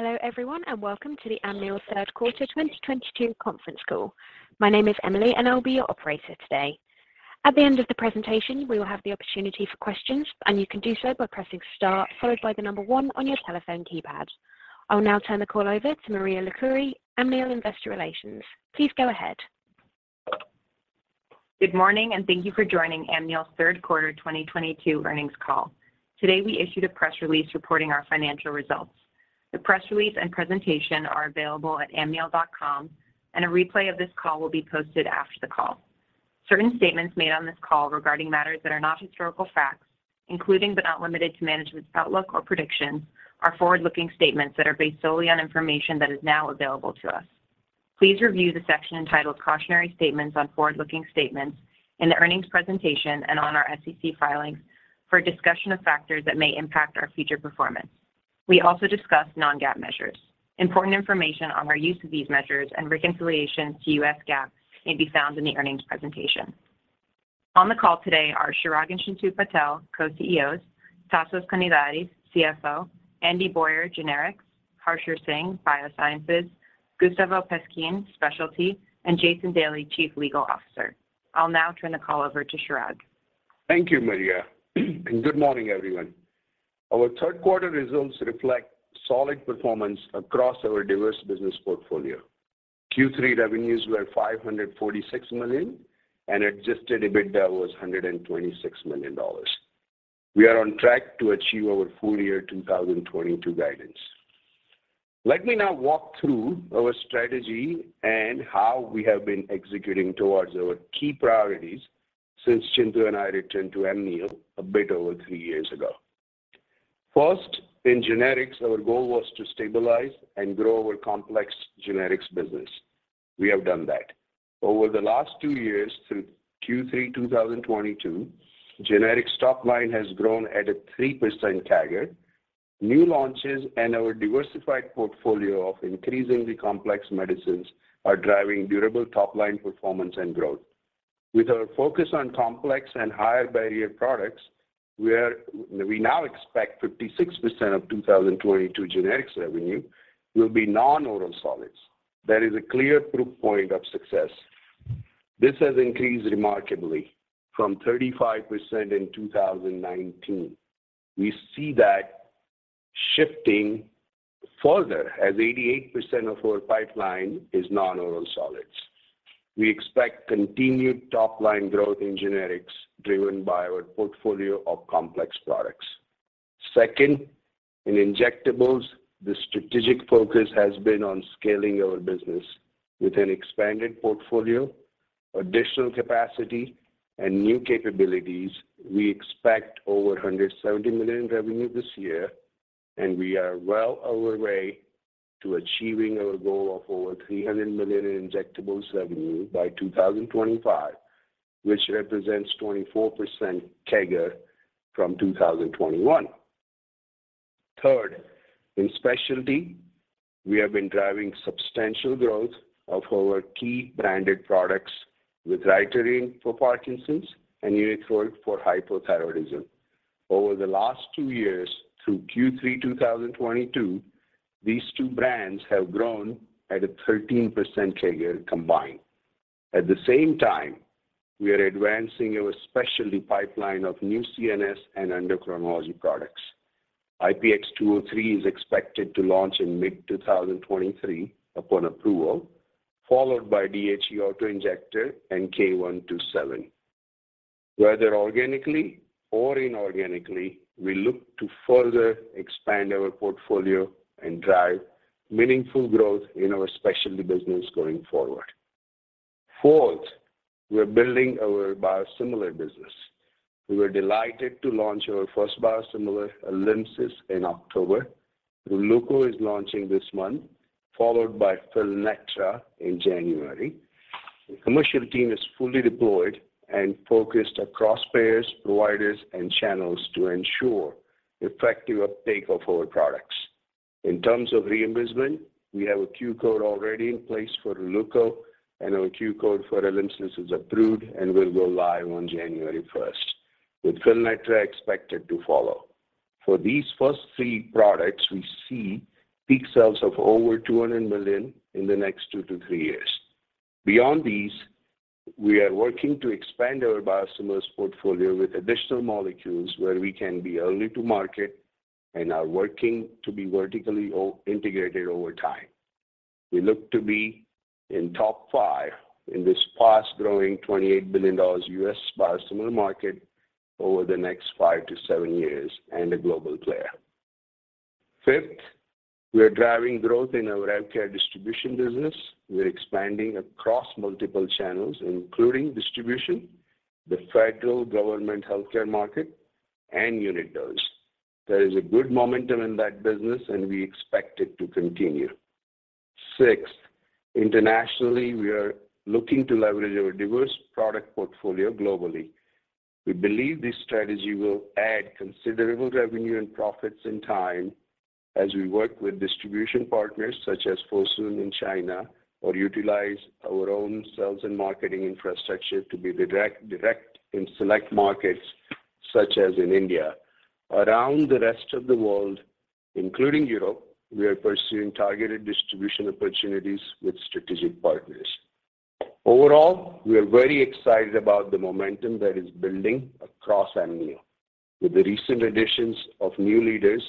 Hello everyone, and welcome to the Amneal third quarter 2022 conference call. My name is Emily, and I'll be your operator today. At the end of the presentation, we will have the opportunity for questions, and you can do so by pressing star followed by the number one on your telephone keypad. I'll now turn the call over to Maria Marquez, Amneal Investor Relations. Please go ahead. Good morning, and thank you for joining Amneal's third quarter 2022 earnings call. Today, we issued a press release reporting our financial results. The press release and presentation are available at amneal.com, and a replay of this call will be posted after the call. Certain statements made on this call regarding matters that are not historical facts, including but not limited to management's outlook or predictions, are forward-looking statements that are based solely on information that is now available to us. Please review the section entitled cautionary statements on forward-looking statements in the earnings presentation and on our SEC filings for a discussion of factors that may impact our future performance. We also discuss non-GAAP measures. Important information on our use of these measures and reconciliation to U.S. GAAP may be found in the earnings presentation. On the call today are Chirag and Chintu Patel, Co-CEOs, Tasos Konidaris, CFO, Andrew Boyer, Generics, Harsher Singh, Biosciences, Gustavo Pesquin, Specialty, and Jason B. Daly, Chief Legal Officer. I'll now turn the call over to Chirag. Thank you, Maria, and good morning, everyone. Our third quarter results reflect solid performance across our diverse business portfolio. Q3 revenues were $546 million and adjusted EBITDA was $126 million. We are on track to achieve our full year 2022 guidance. Let me now walk through our strategy and how we have been executing towards our key priorities since Chintu and I returned to Amneal a bit over three years ago. First, in generics, our goal was to stabilize and grow our complex generics business. We have done that. Over the last two years through Q3 2022, generics top line has grown at a 3% CAGR. New launches and our diversified portfolio of increasingly complex medicines are driving durable top-line performance and growth. With our focus on complex and higher barrier products, we now expect 56% of 2022 generics revenue will be non-oral solids. That is a clear proof point of success. This has increased remarkably from 35% in 2019. We see that shifting further as 88% of our pipeline is non-oral solids. We expect continued top-line growth in generics driven by our portfolio of complex products. Second, in injectables, the strategic focus has been on scaling our business with an expanded portfolio, additional capacity, and new capabilities. We expect over $170 million revenue this year, and we are well on our way to achieving our goal of over $300 million in injectables revenue by 2025, which represents 24% CAGR from 2021. Third, in specialty, we have been driving substantial growth of our key branded products with Rytary for Parkinson's and Unithroid for hypothyroidism. Over the last two years through Q3 2022, these two brands have grown at a 13% CAGR combined. At the same time, we are advancing our specialty pipeline of new CNS and endocrinology products. IPX203 is expected to launch in mid-2023 upon approval, followed by DHE auto-injector and K-127. Whether organically or inorganically, we look to further expand our portfolio and drive meaningful growth in our specialty business going forward. Fourth, we're building our biosimilar business. We were delighted to launch our first biosimilar, ALYMSYS, in October. Releuko is launching this month, followed by Fylnetra in January. The commercial team is fully deployed and focused across payers, providers, and channels to ensure effective uptake of our products. In terms of reimbursement, we have a Q code already in place for Releuko, and our Q code for ALYMSYS is approved and will go live on January first, with Fylnetra expected to follow. For these first three products, we see peak sales of over $200 million in the next two to three years. Beyond these, we are working to expand our biosimilars portfolio with additional molecules where we can be early to market and are working to be vertically integrated over time. We look to be in top five in this fast-growing $28 billion U.S. biosimilar market over the next five to seven years and a global player. Fifth, we are driving growth in our healthcare distribution business. We are expanding across multiple channels, including distribution, the federal government healthcare market, and unit dose. There is a good momentum in that business, and we expect it to continue. Sixth, internationally, we are looking to leverage our diverse product portfolio globally. We believe this strategy will add considerable revenue and profits in time as we work with distribution partners such as Fosun in China or utilize our own sales and marketing infrastructure to be direct in select markets such as in India. Around the rest of the world, including Europe, we are pursuing targeted distribution opportunities with strategic partners. Overall, we are very excited about the momentum that is building across Amneal. With the recent additions of new leaders,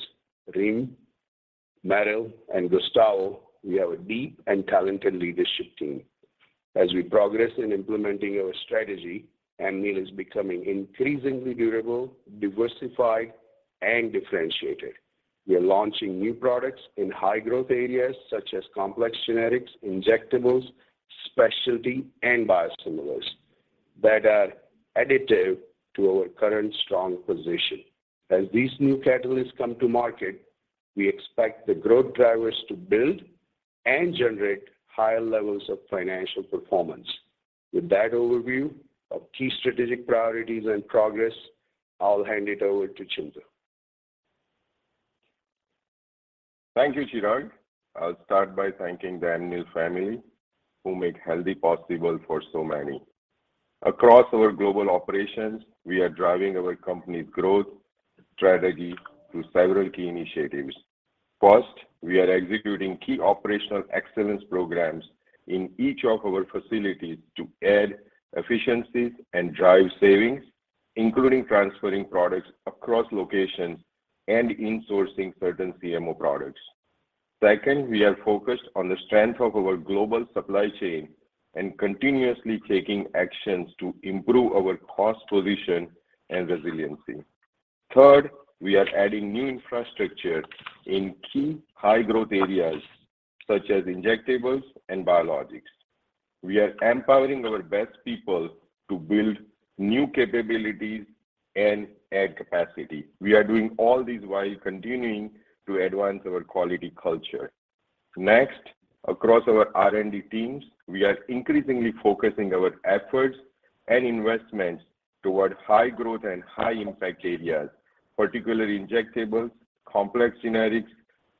Rim, Meryl, and Gustavo, we have a deep and talented leadership team. As we progress in implementing our strategy, Amneal is becoming increasingly durable, diversified, and differentiated. We are launching new products in high growth areas such as complex generics, injectables, specialty, and biosimilars that are additive to our current strong position. As these new catalysts come to market, we expect the growth drivers to build and generate higher levels of financial performance. With that overview of key strategic priorities and progress, I'll hand it over to Chintu. Thank you, Chirag. I'll start by thanking the Amneal family who make health possible for so many. Across our global operations, we are driving our company's growth strategy through several key initiatives. First, we are executing key operational excellence programs in each of our facilities to add efficiencies and drive savings, including transferring products across locations and insourcing certain CMO products. Second, we are focused on the strength of our global supply chain and continuously taking actions to improve our cost position and resiliency. Third, we are adding new infrastructure in key high growth areas such as injectables and biologics. We are empowering our best people to build new capabilities and add capacity. We are doing all this while continuing to advance our quality culture. Next, across our R&D teams, we are increasingly focusing our efforts and investments toward high growth and high impact areas, particularly injectables, complex generics,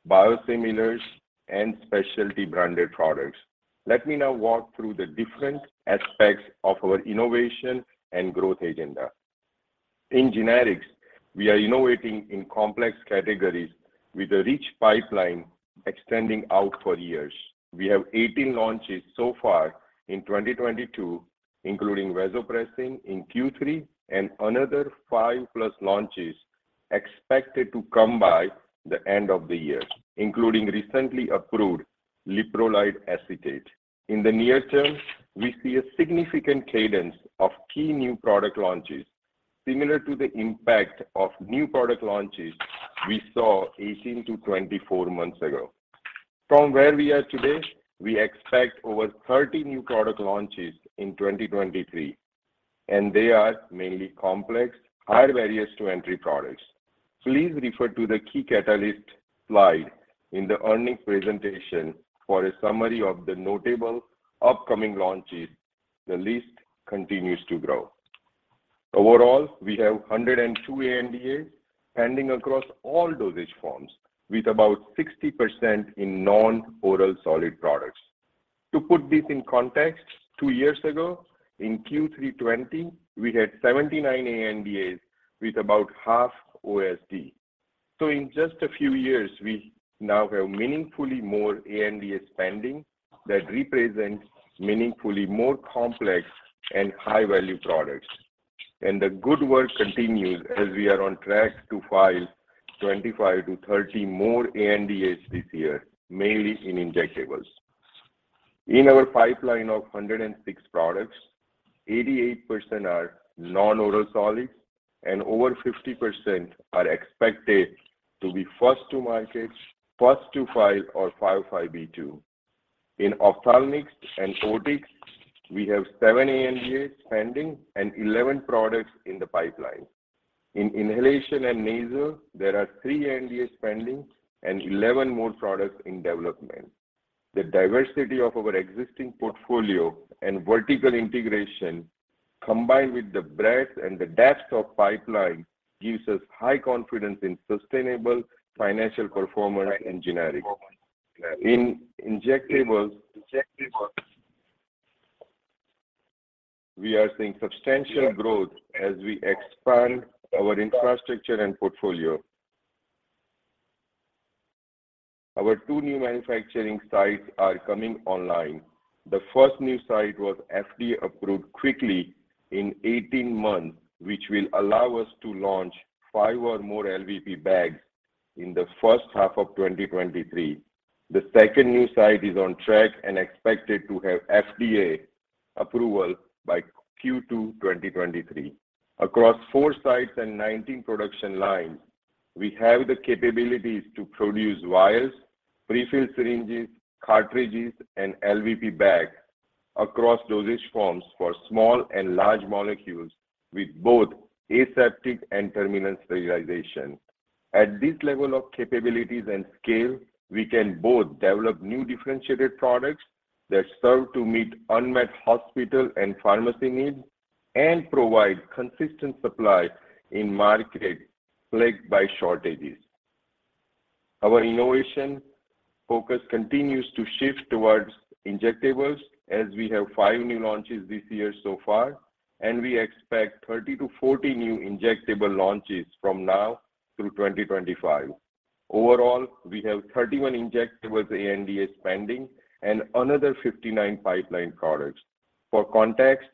biosimilars, and specialty branded products. Let me now walk through the different aspects of our innovation and growth agenda. In generics, we are innovating in complex categories with a rich pipeline extending out for years. We have 18 launches so far in 2022, including Vasopressin in Q3 and another five plus launches expected to come by the end of the year, including recently approved leuprolide acetate. In the near term, we see a significant cadence of key new product launches similar to the impact of new product launches we saw 18-24 months ago. From where we are today, we expect over 30 new product launches in 2023, and they are mainly complex, high barriers to entry products. Please refer to the key catalyst slide in the earnings presentation for a summary of the notable upcoming launches. The list continues to grow. Overall, we have 102 ANDAs pending across all dosage forms with about 60% in non-oral solid products. To put this in context, two years ago in Q3 2020, we had 79 ANDAs with about 1/2 OSD. In just a few years, we now have meaningfully more ANDAs pending that represents meaningfully more complex and high-value products. The good work continues as we are on track to file 25-30 more ANDAs this year, mainly in injectables. In our pipeline of 106 products, 88% are non-oral solids, and over 50% are expected to be first to market, first to file or 505(b)(2). In ophthalmic and otics, we have seven ANDAs pending and 11 products in the pipeline. In inhalation and nasal, there are three ANDAs pending and 11 more products in development. The diversity of our existing portfolio and vertical integration, combined with the breadth and the depth of pipeline, gives us high confidence in sustainable financial performance in generic. In injectables, we are seeing substantial growth as we expand our infrastructure and portfolio. Our two new manufacturing sites are coming online. The first new site was FDA-approved quickly in 18 months, which will allow us to launch five or more LVP bags in the H1 of 2023. The second new site is on track and expected to have FDA approval by Q2 2023. Across 4 sites and 19 production lines, we have the capabilities to produce vials, pre-filled syringes, cartridges, and LVP bags across dosage forms for small and large molecules with both aseptic and terminal sterilization. At this level of capabilities and scale, we can both develop new differentiated products that serve to meet unmet hospital and pharmacy needs and provide consistent supply in markets plagued by shortages. Our innovation focus continues to shift towards injectables as we have five new launches this year so far, and we expect 30-40 new injectable launches from now through 2025. Overall, we have 31 injectables ANDAs pending and another 59 pipeline products. For context,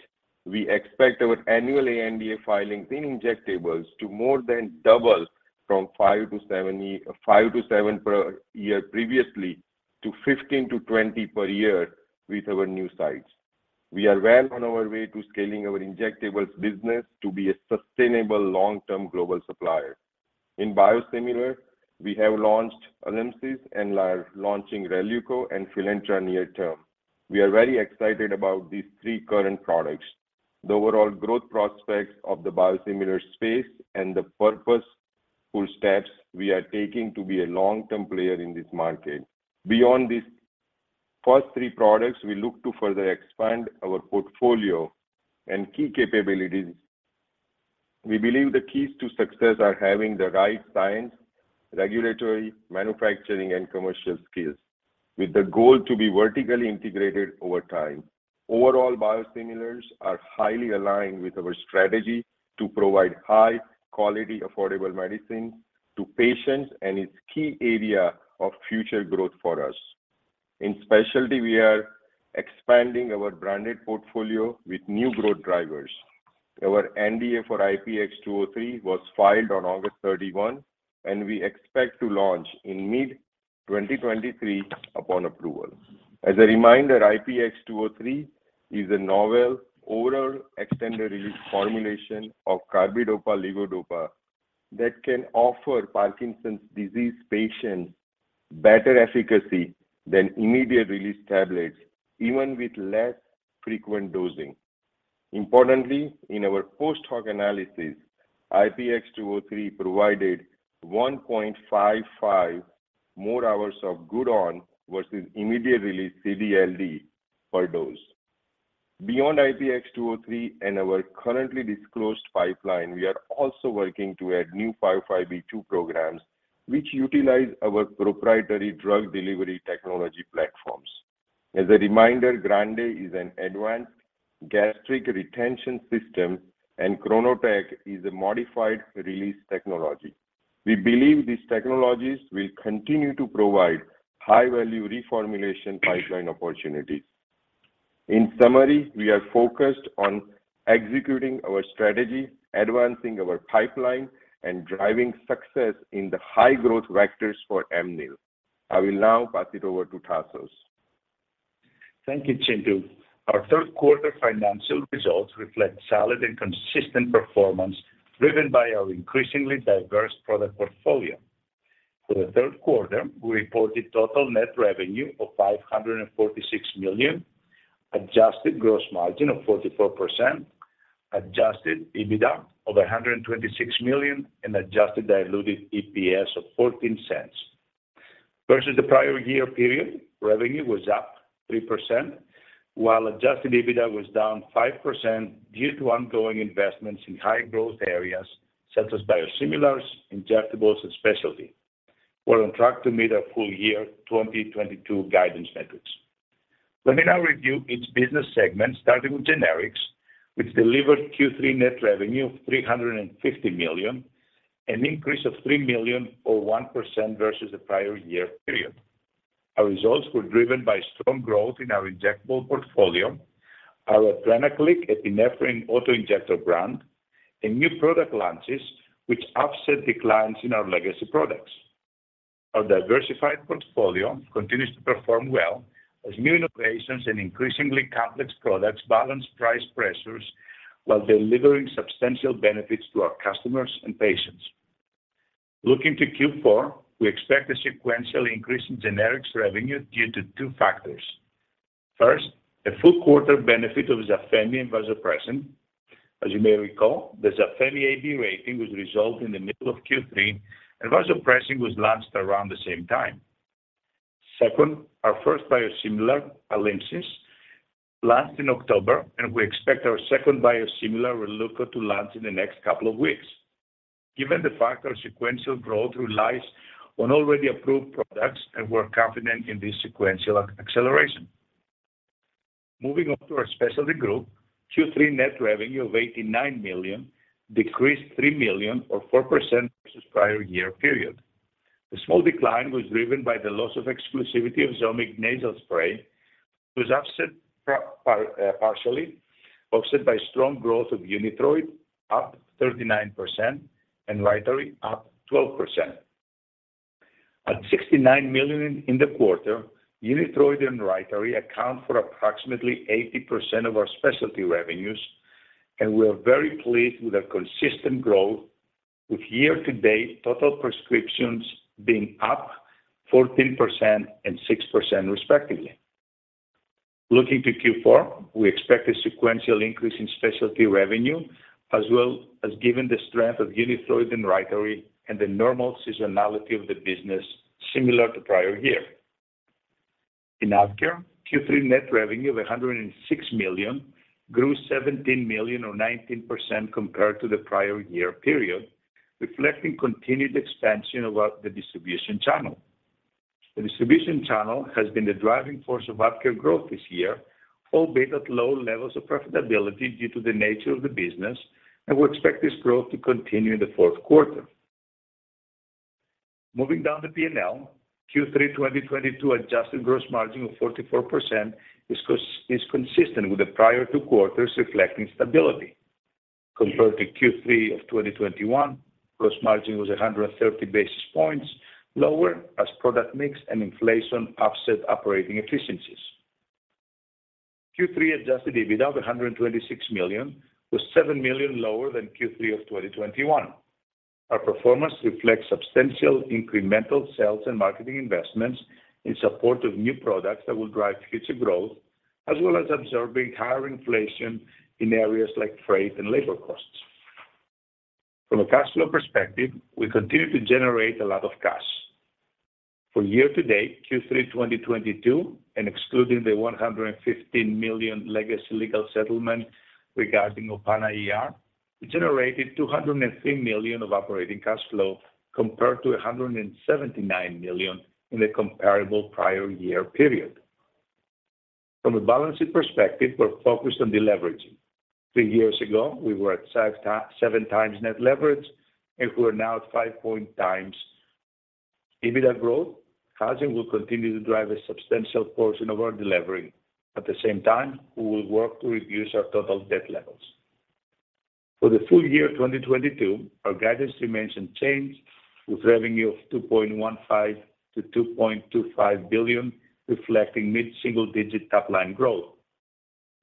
we expect our annual ANDA filings in injectables to more than double from 5-7 per year previously to 15-20 per year with our new sites. We are well on our way to scaling our injectables business to be a sustainable long-term global supplier. In biosimilars, we have launched ALYMSYS and are launching Releuko and Fylnetra near term. We are very excited about these three current products, the overall growth prospects of the biosimilars space, and the purposeful steps we are taking to be a long-term player in this market. Beyond these first three products, we look to further expand our portfolio and key capabilities. We believe the keys to success are having the right science, regulatory, manufacturing, and commercial skills with the goal to be vertically integrated over time. Overall, biosimilars are highly aligned with our strategy to provide high-quality, affordable medicine to patients, and it's key area of future growth for us. In specialty, we are expanding our branded portfolio with new growth drivers. Our NDA for IPX203 was filed on August 31, and we expect to launch in mid-2023 upon approval. As a reminder, IPX203 is a novel oral extended-release formulation of carbidopa/levodopa that can offer Parkinson's disease patients better efficacy than immediate-release tablets, even with less frequent dosing. Importantly, in our post-hoc analysis, IPX203 provided 1.55 more hours of good on versus immediate-release CD/LD per dose. Beyond IPX203 and our currently disclosed pipeline, we are also working to add new 505(b)(2) programs which utilize our proprietary drug delivery technology platforms. As a reminder, GRANDE is an advanced gastric retention system, and ChronoTab is a modified-release technology. We believe these technologies will continue to provide high-value reformulation pipeline opportunities. In summary, we are focused on executing our strategy, advancing our pipeline, and driving success in the high-growth vectors for Amneal. I will now pass it over to Tasos. Thank you, Chintu. Our third quarter financial results reflect solid and consistent performance driven by our increasingly diverse product portfolio. For the third quarter, we reported total net revenue of $546 million, adjusted gross margin of 44%, adjusted EBITDA of $126 million, and adjusted diluted EPS of $0.14. Versus the prior year period, revenue was up 3%, while adjusted EBITDA was down 5% due to ongoing investments in high-growth areas such as biosimilars, injectables, and specialty. We're on track to meet our full-year 2022 guidance metrics. Let me now review each business segment, starting with Generics, which delivered Q3 net revenue of $350 million, an increase of $3 million or 1% versus the prior year period. Our results were driven by strong growth in our injectable portfolio, our Adrenaclick epinephrine auto-injector brand, and new product launches which offset declines in our legacy products. Our diversified portfolio continues to perform well as new innovations and increasingly complex products balance price pressures while delivering substantial benefits to our customers and patients. Looking to Q4, we expect a sequential increase in generics revenue due to two factors. First, a full quarter benefit of Zafemy and Vasopressin. As you may recall, the Zafemy AB rating was resolved in the middle of Q3, and Vasopressin was launched around the same time. Second, our first biosimilar, ALYMSYS, launched in October, and we expect our second biosimilar, Releuko, to launch in the next couple of weeks. Given the fact our sequential growth relies on already approved products and we're confident in this sequential acceleration. Moving on to our specialty group, Q3 net revenue of $89 million decreased $3 million or 4% versus prior-year period. The small decline was driven by the loss of exclusivity of Zomig nasal spray, which was partially offset by strong growth of Unithroid, up 39% and Rytary up 12%. At $69 million in the quarter, Unithroid and Rytary account for approximately 80% of our specialty revenues, and we are very pleased with their consistent growth, with year-to-date total prescriptions being up 14% and 6% respectively. Looking to Q4, we expect a sequential increase in specialty revenue as well as given the strength of Unithroid and Rytary and the normal seasonality of the business similar to prior year. In AvKARE, Q3 net revenue of $106 million grew $17 million or 19% compared to the prior year period, reflecting continued expansion of our distribution channel. The distribution channel has been the driving force of AvKARE growth this year, albeit at low levels of profitability due to the nature of the business, and we expect this growth to continue in the fourth quarter. Moving down the P&L, Q3 2022 adjusted gross margin of 44% is consistent with the prior two quarters reflecting stability. Compared to Q3 of 2021, gross margin was 130 basis points lower as product mix and inflation offset operating efficiencies. Q3 adjusted EBITDA of $126 million was $7 million lower than Q3 of 2021. Our performance reflects substantial incremental sales and marketing investments in support of new products that will drive future growth, as well as absorbing higher inflation in areas like freight and labor costs. From a cash flow perspective, we continue to generate a lot of cash. For year-to-date Q3 2022 and excluding the $115 million legacy legal settlement regarding Opana ER, we generated $203 million of operating cash flow compared to $179 million in the comparable prior year period. From a balance sheet perspective, we're focused on deleveraging. Three years ago, we were at 7x net leverage, and we're now at 5x. EBITDA growth, margin will continue to drive a substantial portion of our deleveraging. At the same time, we will work to reduce our total debt levels. For the full year 2022, our guidance remains unchanged, with revenue of $2.15-$2.25 billion, reflecting mid-single-digit top-line growth.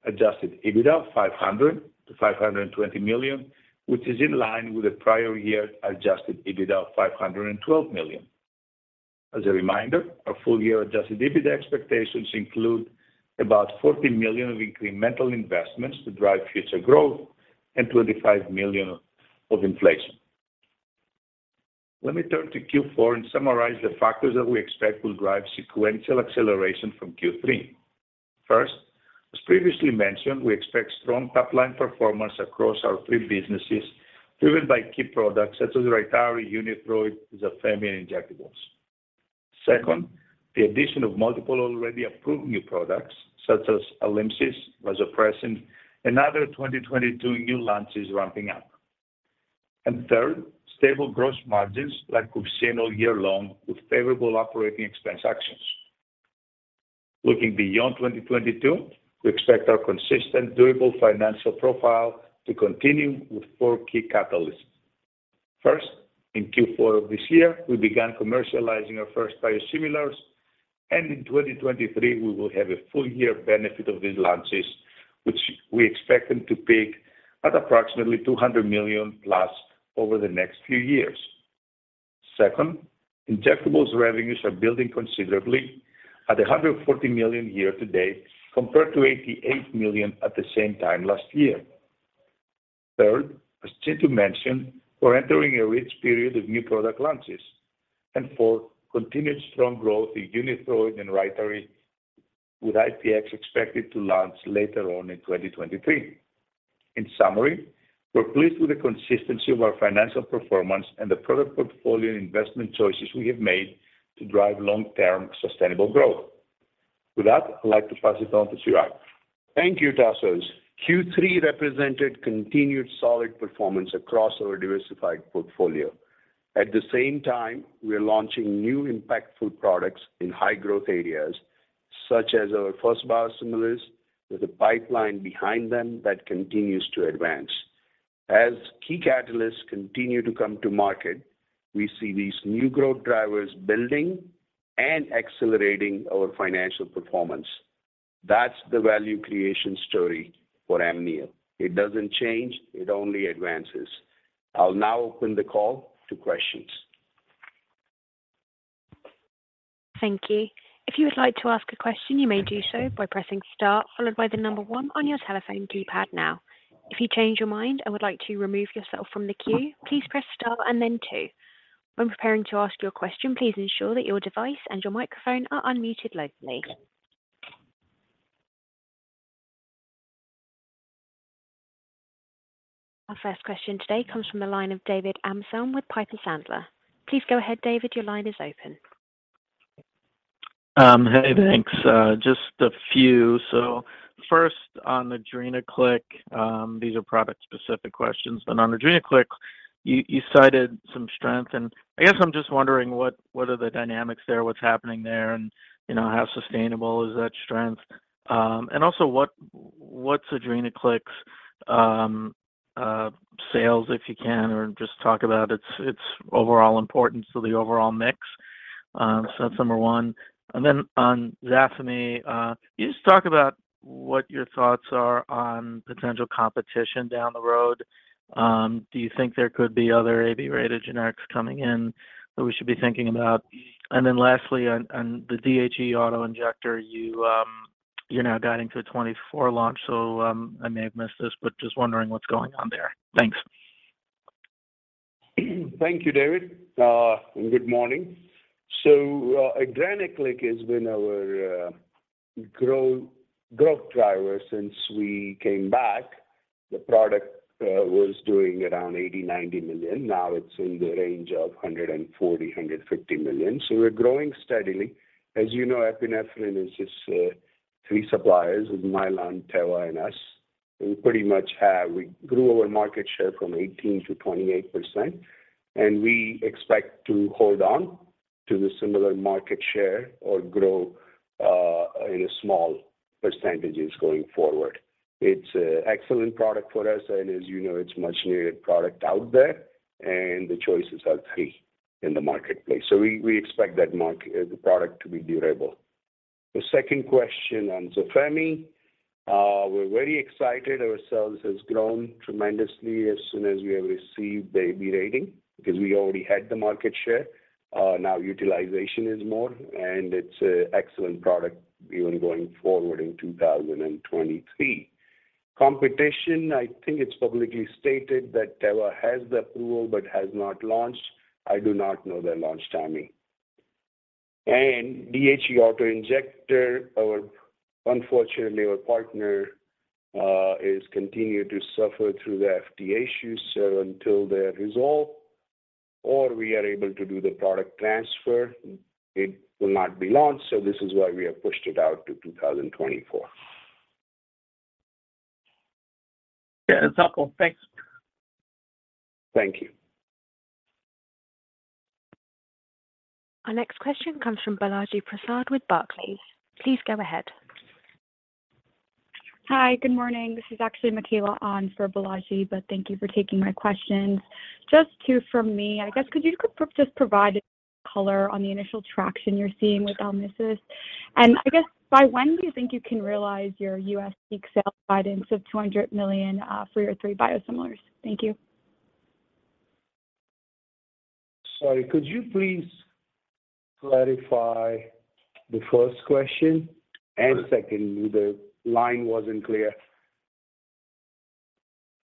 Adjusted EBITDA, $500-$520 million, which is in line with the prior year's adjusted EBITDA of $512 million. As a reminder, our full-year adjusted EBITDA expectations include about $40 million of incremental investments to drive future growth and $25 million of inflation. Let me turn to Q4 and summarize the factors that we expect will drive sequential acceleration from Q3. First, as previously mentioned, we expect strong top-line performance across our three businesses, driven by key products such as Rytary, Unithroid, Zafemy, and Injectables. Second, the addition of multiple already approved new products such as ALYMSYS, Vasopressin, and other 2022 new launches ramping up. Third, stable gross margins like we've seen all year long with favorable operating expense actions. Looking beyond 2022, we expect our consistent, durable financial profile to continue with four key catalysts. First, in Q4 of this year, we began commercializing our first biosimilars, and in 2023, we will have a full year benefit of these launches, which we expect them to peak at approximately $200 million-plus over the next few years. Second, Injectables revenues are building considerably at $114 million year-to-date, compared to $88 million at the same time last year. Third, as Chintu mentioned, we're entering a rich period of new product launches. Fourth, continued strong growth in Unithroid and Rytary, with IPX expected to launch later on in 2023. In summary, we're pleased with the consistency of our financial performance and the product portfolio and investment choices we have made to drive long-term sustainable growth. With that, I'd like to pass it on to Chirag. Thank you, Tasos. Q3 represented continued solid performance across our diversified portfolio. At the same time, we are launching new impactful products in high-growth areas, such as our first biosimilars, with a pipeline behind them that continues to advance. As key catalysts continue to come to market, we see these new growth drivers building and accelerating our financial performance. That's the value creation story for Amneal. It doesn't change, it only advances. I'll now open the call to questions. Thank you. If you would like to ask a question, you may do so by pressing star followed by the number one on your telephone keypad now. If you change your mind and would like to remove yourself from the queue, please press star and then two. When preparing to ask your question, please ensure that your device and your microphone are unmuted locally. Our first question today comes from the line of David Amsellem with Piper Sandler. Please go ahead, David. Your line is open. Hey, thanks. Just a few. First on Adrenaclick, these are product-specific questions, but on Adrenaclick, you cited some strength. I guess I'm just wondering what are the dynamics there, what's happening there, and, you know, how sustainable is that strength? And also what's Adrenaclick's sales, if you can, or just talk about its overall importance to the overall mix. That's number one. Then on Zafemy, can you just talk about what your thoughts are on potential competition down the road. Do you think there could be other AB-rated generics coming in that we should be thinking about? Then lastly, on the DHE auto-injector, you're now guiding to a 2024 launch. I may have missed this, but just wondering what's going on there. Thanks. Thank you, David. Good morning. Adrenaclick has been our growth driver since we came back. The product was doing around $80-$90 million. Now it's in the range of $140-$150 million. We're growing steadily. As you know, epinephrine is just three suppliers with Mylan, Teva and us. We pretty much have. We grew our market share from 18%-28%, and we expect to hold on to the similar market share or grow in small percentages going forward. It's an excellent product for us, and as you know, it's much needed product out there and the choices are three in the marketplace. We expect that the product to be durable. The second question on Zafemy. We're very excited. Our sales has grown tremendously as soon as we have received the AB rating because we already had the market share. Now utilization is more, and it's an excellent product even going forward in 2023. Competition, I think it's publicly stated that Teva has the approval but has not launched. I do not know their launch timing. DHE auto-injector, our partner, unfortunately, is continued to suffer through the FDA issues. Until they're resolved or we are able to do the product transfer, it will not be launched. This is why we have pushed it out to 2024. Yeah, that's helpful. Thanks. Thank you. Our next question comes from Balaji Prasad with Barclays. Please go ahead. Hi, good morning. This is actually Ekaterina Knyazkova on for Balaji Prasad, but thank you for taking my questions. Just two from me. I guess could you just provide color on the initial traction you're seeing with ALYMSYS? And I guess by when do you think you can realize your U.S. peak sales guidance of $200 million for your three biosimilars? Thank you. Sorry, could you please clarify the first question and second. The line wasn't clear.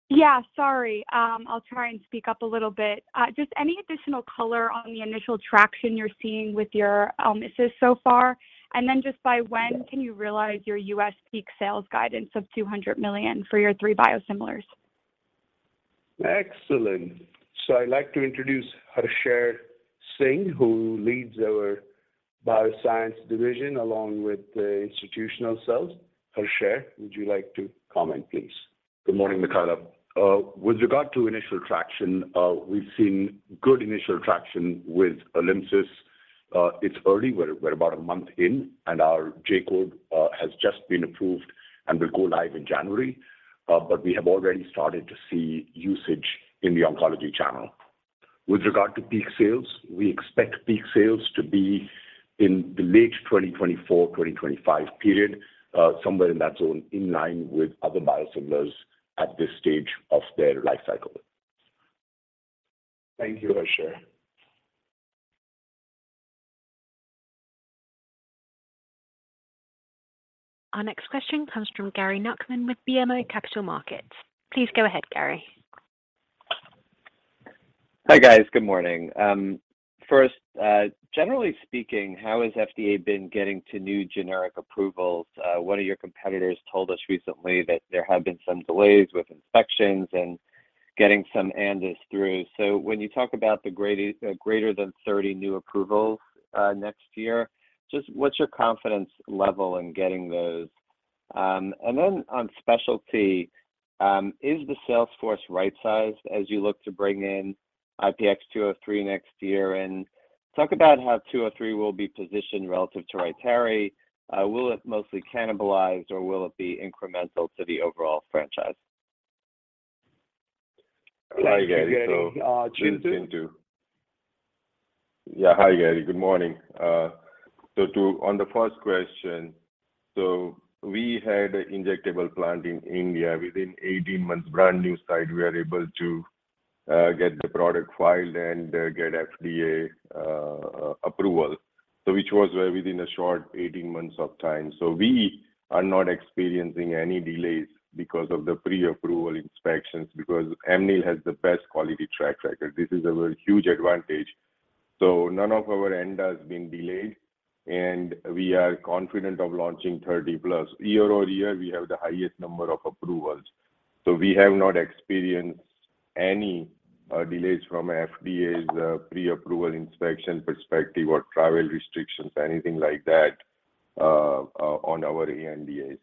Yeah, sorry. I'll try and speak up a little bit. Just any additional color on the initial traction you're seeing with your ALYMSYS so far. Then just by when can you realize your US peak sales guidance of $200 million for your three biosimilars? Excellent. I'd like to introduce Harsher Singh, who leads our Biosciences division, along with the institutional sales. Harsher, would you like to comment, please? Good morning, Ekaterina Knyazkova. With regard to initial traction, we've seen good initial traction with ALYMSYS. It's early. We're about a month in, and our J code has just been approved and will go live in January. We have already started to see usage in the oncology channel. With regard to peak sales, we expect peak sales to be in the late 2024-2025 period, somewhere in that zone, in line with other biosimilars at this stage of their life cycle. Thank you, Harsher. Our next question comes from Gary Nachman with BMO Capital Markets. Please go ahead, Gary. Hi, guys. Good morning. First, generally speaking, how has FDA been getting to new generic approvals? One of your competitors told us recently that there have been some delays with inspections and getting some ANDAs through. When you talk about greater than 30 new approvals, next year, just what's your confidence level in getting those? On specialty, is the sales force right-sized as you look to bring in IPX203 next year? Talk about how 203 will be positioned relative to Rytary. Will it mostly cannibalize or will it be incremental to the overall franchise? Thanks, Gary. Chintu. Yeah. Hi, Gary. Good morning. On the first question, we had an injectable plant in India within 18 months, brand new site. We are able to get the product filed and get FDA approval. Which was within a short 18 months of time. We are not experiencing any delays because of the pre-approval inspections, because Amneal has the best quality track record. This is a huge advantage. None of our ANDA has been delayed, and we are confident of launching 30+. Year-over-year, we have the highest number of approvals. We have not experienced any delays from FDA's pre-approval inspection perspective or travel restrictions, anything like that, on our ANDAs.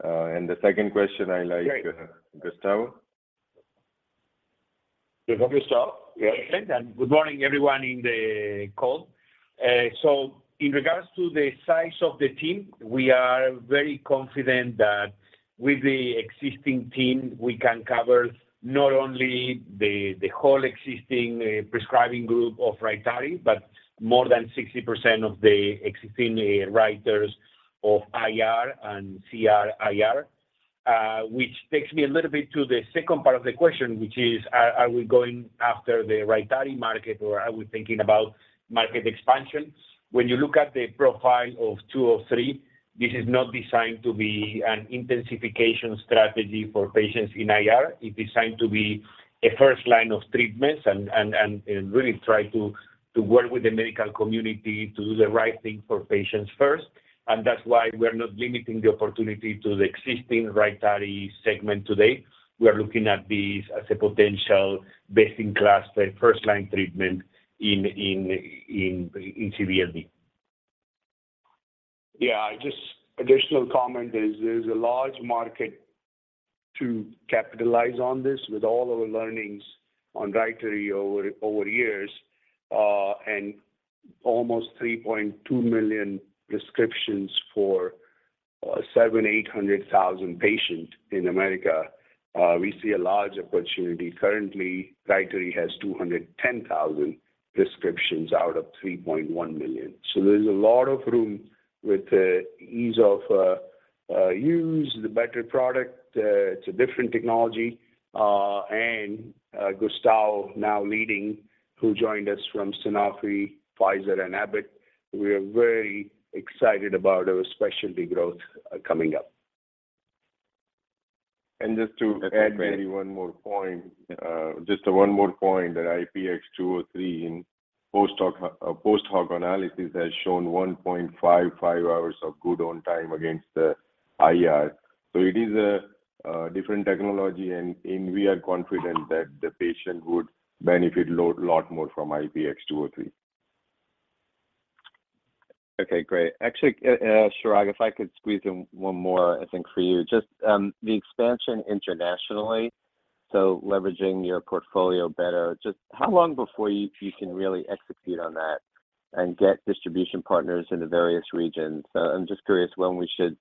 The second question, I'll let Gustavo. We have Gustavo. Yes. Good morning everyone in the call. In regards to the size of the team, we are very confident that with the existing team, we can cover not only the whole existing writers of Rytary, but more than 60% of the existing writers of IR and CR/IR. Which takes me a little bit to the second part of the question, which is, are we going after the Rytary market or are we thinking about market expansion? When you look at the profile of two or three, this is not designed to be an intensification strategy for patients in IR. It's designed to be a first line of treatments and really try to work with the medical community to do the right thing for patients first. That's why we're not limiting the opportunity to the existing Rytary segment today. We are looking at this as a potential best-in-class, first-line treatment in CD/LD. Yeah. Just additional comment. There's a large market to capitalize on this with all our learnings on Rytary over years, and almost 3.2 million prescriptions for 780,000 patients in America. We see a large opportunity. Currently, Rytary has 210,000 prescriptions out of 3.1 million. There's a lot of room with the ease of use, the better product, it's a different technology. Gustavo now leading, who joined us from Sanofi, Pfizer and Abbott, we are very excited about our specialty growth coming up. Just to add maybe one more point. Just one more point that IPX203 in post hoc analysis has shown 1.55 hours of good on time against the IR. It is a different technology and we are confident that the patient would benefit a lot more from IPX203. Okay, great. Actually, Chirag, if I could squeeze in one more, I think for you. Just, the expansion internationally, so leveraging your portfolio better, just how long before you can really execute on that and get distribution partners in the various regions? I'm just curious when we should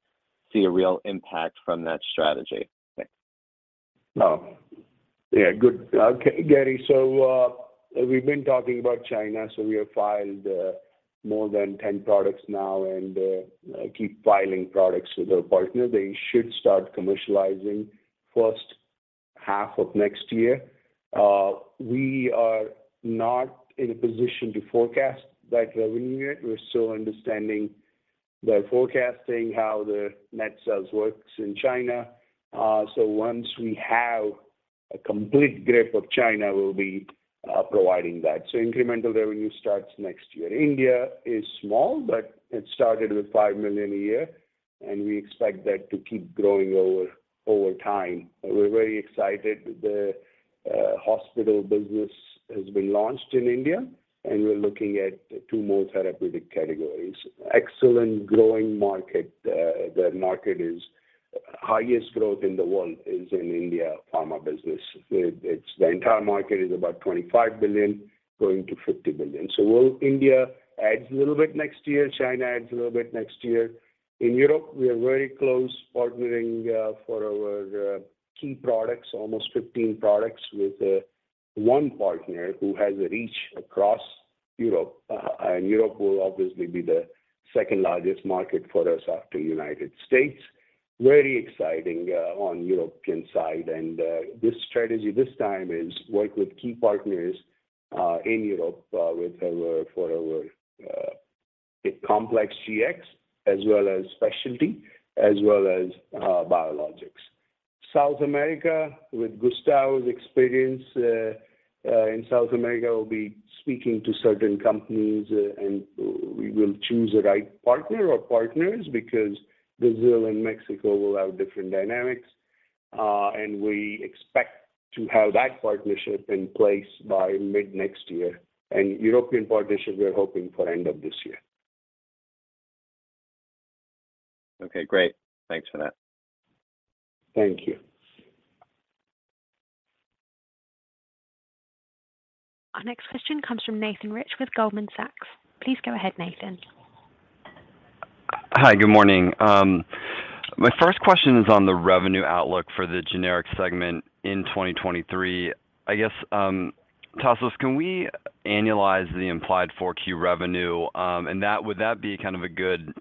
see a real impact from that strategy. Thanks. Oh, yeah. Good. Okay, Gary. We've been talking about China. We have filed more than 10 products now and keep filing products with our partner. They should start commercializing H1 of next year. We are not in a position to forecast that revenue yet. We're still understanding the forecasting, how the net sales works in China. Once we have a complete grip of China, we'll be providing that. Incremental revenue starts next year. India is small, but it started with $5 million a year, and we expect that to keep growing over time. We're very excited. The hospital business has been launched in India, and we're looking at two more therapeutic categories. Excellent growing market. The market is highest growth in the world is in India pharma business. It's the entire market is about $25 billion, growing to $50 billion. India adds a little bit next year. China adds a little bit next year. In Europe, we are very close to partnering for our key products, almost 15 products with one partner who has a reach across Europe. Europe will obviously be the second largest market for us after the United States. Very exciting on European side. This strategy this time is to work with key partners in Europe with our complex GX as well as specialty, as well as biologics. South America, with Gustavo Pesquin's experience in South America, we'll be speaking to certain companies and we will choose the right partner or partners because Brazil and Mexico will have different dynamics. We expect to have that partnership in place by mid next year. European partnership, we are hoping for end of this year. Okay, great. Thanks for that. Thank you. Our next question comes from Nathan Rich with Goldman Sachs. Please go ahead, Nathan. Hi. Good morning. My first question is on the revenue outlook for the generic segment in 2023. I guess, Tasos, can we annualize the implied 4Q revenue? And would that be kind of a good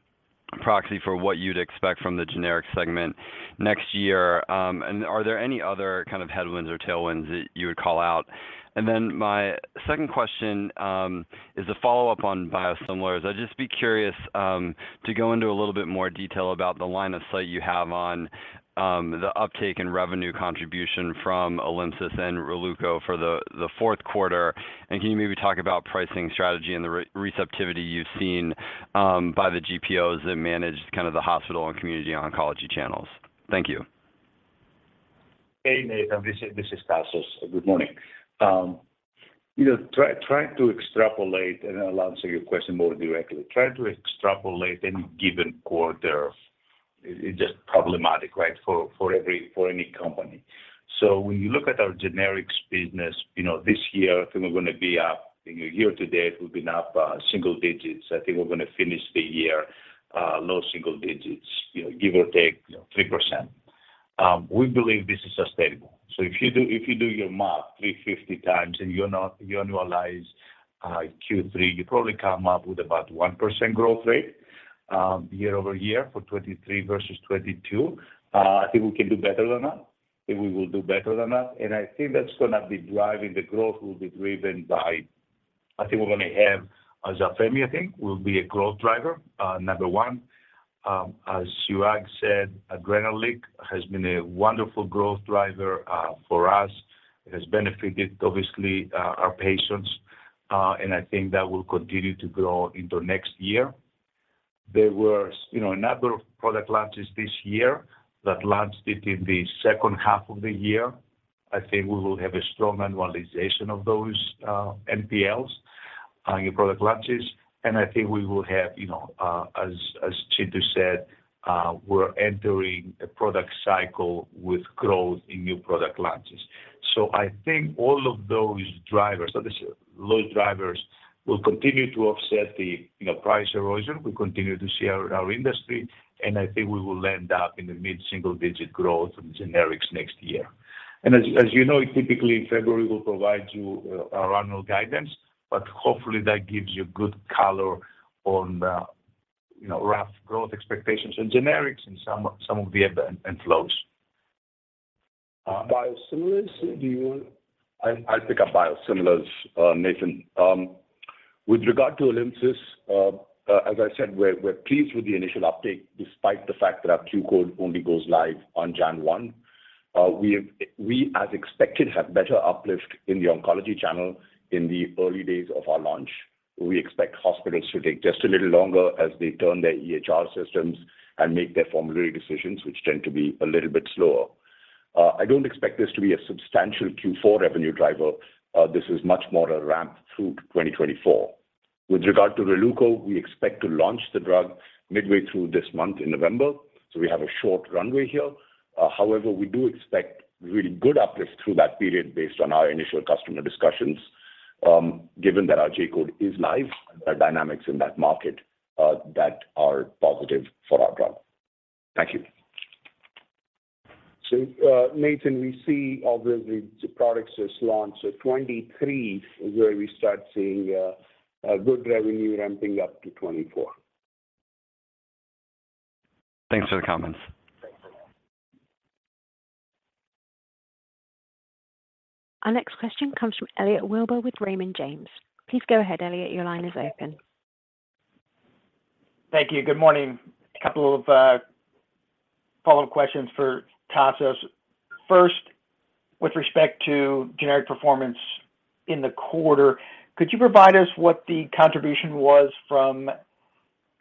proxy for what you'd expect from the generic segment next year? And are there any other kind of headwinds or tailwinds that you would call out? My second question is a follow-up on biosimilars. I'd just be curious to go into a little bit more detail about the line of sight you have on the uptake in revenue contribution from ALYMSYS and Releuko for the fourth quarter. Can you maybe talk about pricing strategy and the receptivity you've seen by the GPOs that manage kind of the hospital and community oncology channels? Thank you. Hey, Nathan. This is Tasos. Good morning. You know, trying to extrapolate and I'll answer your question more directly. Trying to extrapolate any given quarter is just problematic, right? For any company. When you look at our generics business, you know, this year I think we're gonna be up. Year to date, we've been up single digits. I think we're gonna finish the year low single digits, you know, give or take 3%. We believe this is sustainable. If you do your math 350 times and you annualize Q3, you probably come up with about 1% growth rate year-over-year for 2023 versus 2022. I think we can do better than that, and we will do better than that. I think the growth will be driven by... I think we're gonna have Zafemy, I think it will be a growth driver number one. As Chirag said, Adrenaclick has been a wonderful growth driver for us. It has benefited obviously our patients, and I think that will continue to grow into next year. There were a number of product launches this year that launched in the H2 of the year. I think we will have a strong annualization of those NPLs, new product launches, and I think we will have, you know, as Chintu said, we're entering a product cycle with growth in new product launches. I think all of those drivers will continue to offset the, you know, price erosion we continue to see in our industry, and I think we will end up in the mid-single-digit growth in generics next year. As you know, typically in February, we'll provide you our annual guidance, but hopefully, that gives you good color on the, you know, rough growth expectations in generics and some of the inflows. Biosimilars, do you want- I'll pick up biosimilars, Nathan. With regard to ALYMSYS, as I said, we're pleased with the initial uptake despite the fact that our Q-Code only goes live on January 1. We have, as expected, better uplift in the oncology channel in the early days of our launch. We expect hospitals to take just a little longer as they turn their EHR systems and make their formulary decisions, which tend to be a little bit slower. I don't expect this to be a substantial Q4 revenue driver. This is much more a ramp through 2024. With regard to Releuko, we expect to launch the drug midway through this month in November, so we have a short runway here. However, we do expect really good uplift through that period based on our initial customer discussions, given that our J code is live, the dynamics in that market, that are positive for our drug. Thank you. Nathan, we see obviously the products as launched. 2023 is where we start seeing good revenue ramping up to 2024. Thanks for the comments. Thanks for that. Our next question comes from Elliot Wilbur with Raymond James. Please go ahead, Elliot. Your line is open. Thank you. Good morning. A couple of follow-up questions for Tasos. First, with respect to generic performance in the quarter, could you provide us what the contribution was from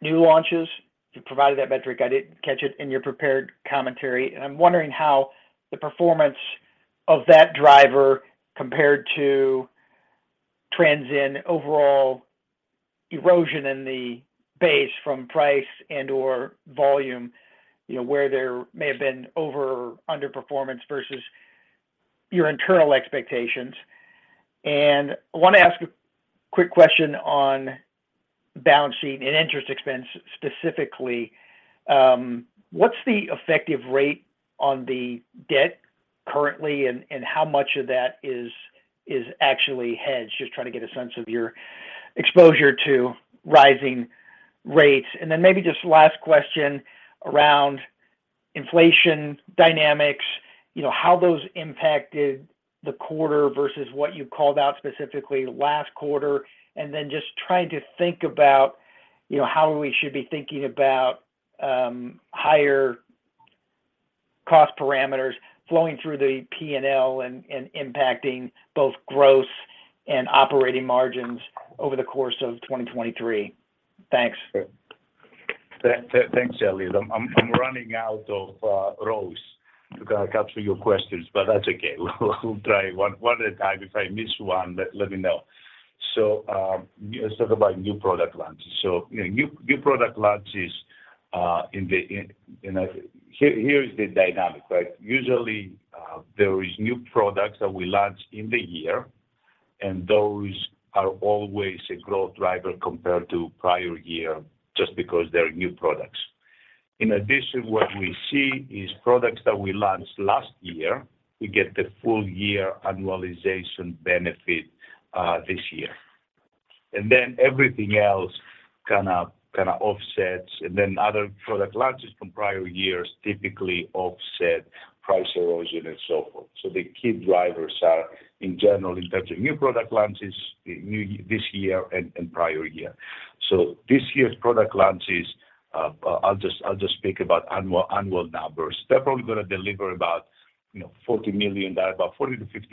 new launches? You provided that metric. I didn't catch it in your prepared commentary. I'm wondering how the performance of that driver compared to trends in overall erosion in the base from price and/or volume, you know, where there may have been over or underperformance versus your internal expectations. I want to ask a quick question on balance sheet and interest expense, specifically. What's the effective rate on the debt currently and how much of that is actually hedged? Just trying to get a sense of your exposure to rising rates. Then maybe just last question around inflation dynamics, you know, how those impacted the quarter versus what you called out specifically last quarter. Just trying to think about, you know, how we should be thinking about higher cost parameters flowing through the P&L and impacting both gross and operating margins over the course of 2023. Thanks. Thanks, Elliot. I'm running out of rows to capture your questions, but that's okay. We'll try one at a time. If I miss one, let me know. You asked about new product launches. You know, new product launches. Here is the dynamic, right? Usually, there is new products that we launch in the year, and those are always a growth driver compared to prior year just because they're new products. In addition, what we see is products that we launched last year, we get the full year annualization benefit this year. Then everything else kinda offsets, and then other product launches from prior years typically offset price erosion and so forth. The key drivers are, in general, in terms of new product launches, new this year and prior year. This year's product launches, I'll just speak about annual numbers. They're probably gonna deliver about $40-$50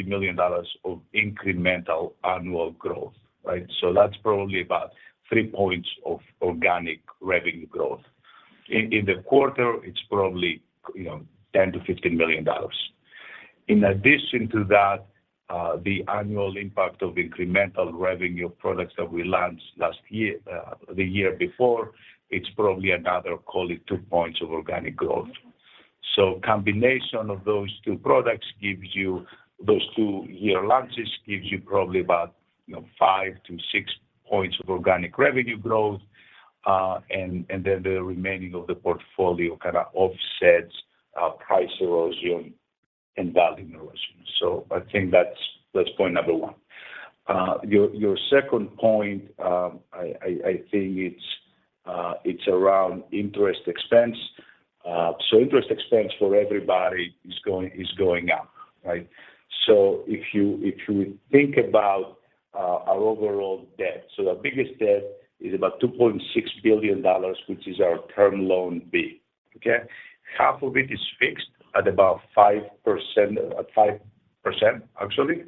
million of incremental annual growth, right? That's probably about 3% of organic revenue growth. In the quarter, it's probably $10-$15 million. In addition to that, the annual impact of incremental revenue products that we launched last year, the year before, it's probably another, call it 2% of organic growth. Combination of those two products gives you. Those two-year launches gives you probably about 5%-6% of organic revenue growth, and then the remaining of the portfolio kind of offsets price erosion and volume erosion. I think that's point number one. Your second point, I think it's around interest expense. Interest expense for everybody is going up, right? If you think about our overall debt, our biggest debt is about $2.6 billion, which is our Term Loan B. Okay. Half of it is fixed at 5%, actually.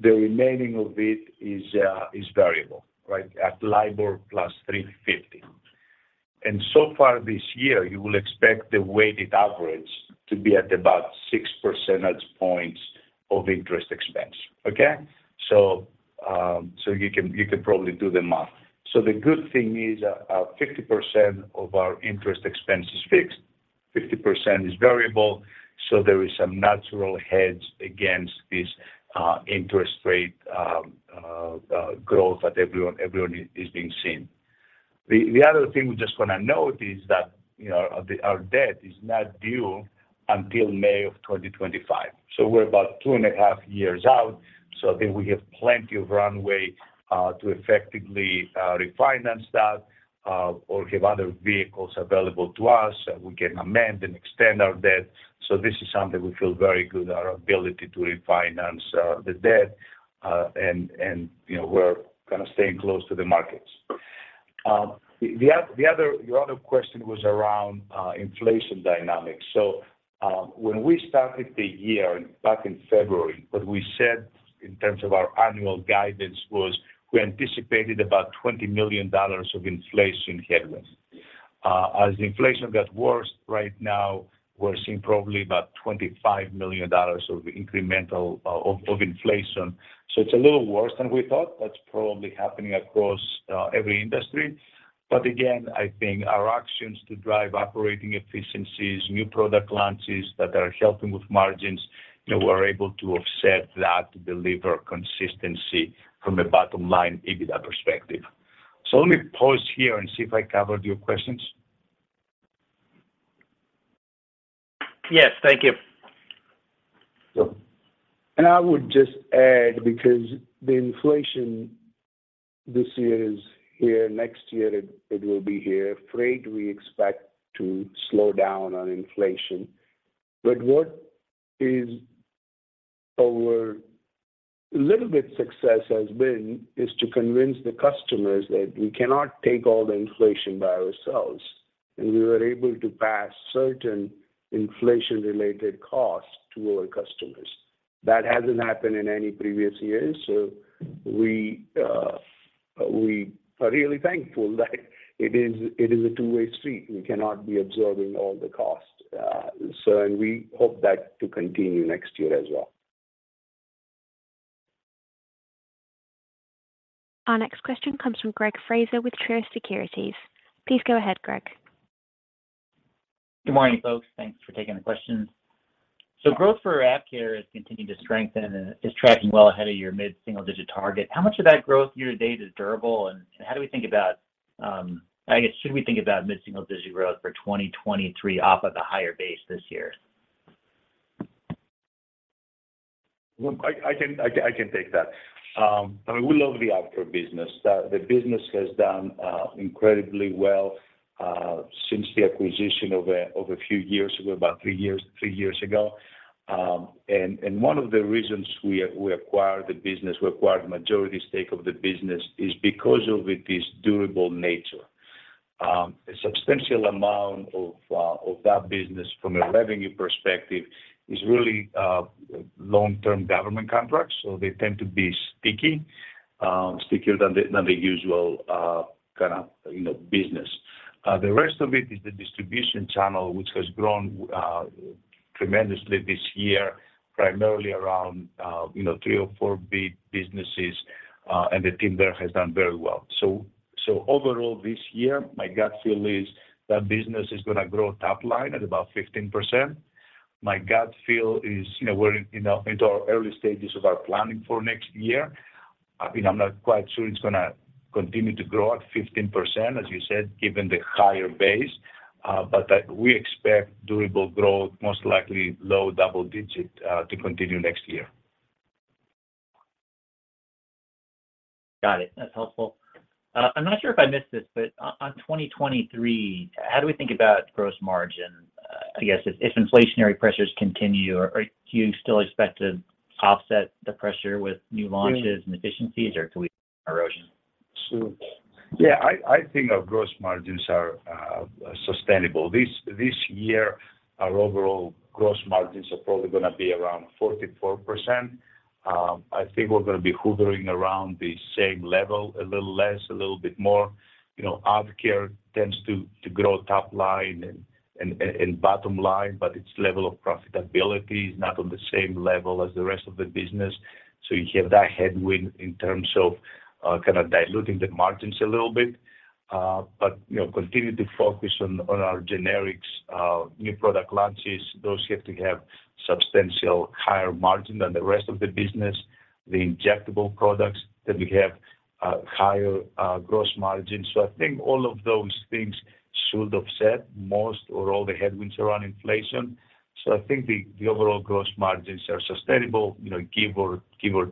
The remaining of it is variable, right, at LIBOR plus 350. So far this year, you will expect the weighted average to be at about 6 percentage points of interest expense. Okay? You can probably do the math. The good thing is, 50% of our interest expense is fixed, 50% is variable, so there is some natural hedge against this interest rate growth that everyone is being seen. The other thing we just wanna note is that, you know, our debt is not due until May of 2025, so we're about two and a half years out, so I think we have plenty of runway to effectively refinance that or have other vehicles available to us, that we can amend and extend our debt. This is something we feel very good our ability to refinance the debt. And, you know, we're kinda staying close to the markets. Your other question was around inflation dynamics. When we started the year back in February, what we said in terms of our annual guidance was we anticipated about $20 million of inflation headwinds. As inflation got worse, right now we're seeing probably about $25 million of incremental inflation, so it's a little worse than we thought. That's probably happening across every industry. Again, I think our actions to drive operating efficiencies, new product launches that are helping with margins, you know, we're able to offset that to deliver consistency from a bottom-line EBITDA perspective. Let me pause here and see if I covered your questions. Yes. Thank you. Sure. I would just add, because the inflation this year is here, next year it will be here. Freight, we expect to slow down on inflation. What is our little bit success has been is to convince the customers that we cannot take all the inflation by ourselves, and we were able to pass certain inflation-related costs to our customers. That hasn't happened in any previous years, so we are really thankful that it is a two-way street. We cannot be absorbing all the costs. We hope that to continue next year as well. Our next question comes from Greg Fraser with Truist Securities. Please go ahead, Greg. Good morning, folks. Thanks for taking the questions. Growth for AvKARE has continued to strengthen and is tracking well ahead of your mid-single digit target. How much of that growth year to date is durable, and how do we think about, I guess, should we think about mid-single digit growth for 2023 off of the higher base this year? Well, I can take that. I really love the AvKARE business. The business has done incredibly well since the acquisition over a few years ago, about three years ago. One of the reasons we acquired the business, we acquired majority stake of the business is because of this durable nature. A substantial amount of that business from a revenue perspective is really long-term government contracts, so they tend to be sticky, stickier than the usual kinda, you know, business. The rest of it is the distribution channel, which has grown tremendously this year, primarily around you know, three or four big businesses, and the team there has done very well. Overall this year, my gut feel is that business is gonna grow top line at about 15%. My gut feel is, you know, we're in, you know, into our early stages of our planning for next year. I mean, I'm not quite sure it's gonna continue to grow at 15%, as you said, given the higher base, but we expect durable growth, most likely low double digit, to continue next year. Got it. That's helpful. I'm not sure if I missed this, but in 2023, how do we think about gross margin, I guess if inflationary pressures continue, or do you still expect to offset the pressure with new launches and efficiencies, or could we see erosion? Sure. Yeah. I think our gross margins are sustainable. This year, our overall gross margins are probably gonna be around 44%. I think we're gonna be hovering around the same level, a little less, a little bit more. You know, AvKARE tends to grow top line and bottom line, but its level of profitability is not on the same level as the rest of the business. You have that headwind in terms of kinda diluting the margins a little bit. You know, continue to focus on our generics, new product launches. Those have to have substantial higher margin than the rest of the business. The injectable products that we have higher gross margin. I think all of those things should offset most or all the headwinds around inflation. I think the overall gross margins are sustainable, you know, give or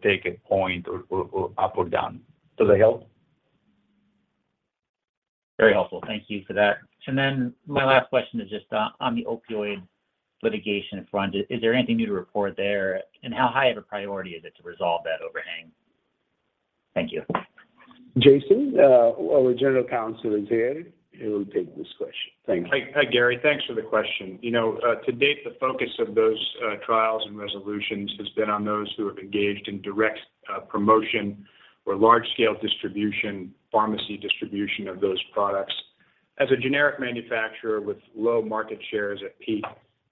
take a point or up or down. Does that help? Very helpful. Thank you for that. My last question is just on the opioid litigation front. Is there anything new to report there, and how high of a priority is it to resolve that overhang? Thank you. Jason, our general counsel is here, he will take this question. Thank you. Hi, Gary. Thanks for the question. You know, to date, the focus of those trials and resolutions has been on those who have engaged in direct promotion or large scale distribution, pharmacy distribution of those products. As a generic manufacturer with low market shares at peak,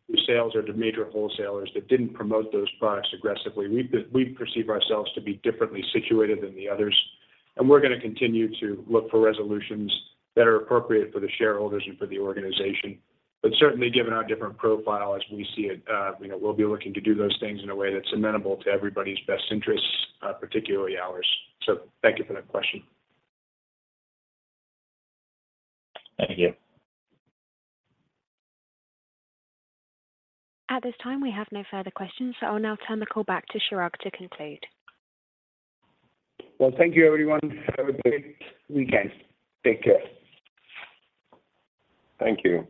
whose sales are to major wholesalers that didn't promote those products aggressively, we perceive ourselves to be differently situated than the others. We're gonna continue to look for resolutions that are appropriate for the shareholders and for the organization. Certainly given our different profile as we see it, you know, we'll be looking to do those things in a way that's amenable to everybody's best interests, particularly ours. Thank you for that question. Thank you. At this time, we have no further questions, so I'll now turn the call back to Chirag to conclude. Well, thank you everyone. Have a great weekend. Take care. Thank you.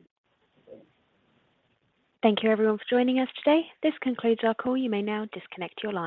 Thank you everyone for joining us today. This concludes our call. You may now disconnect your line.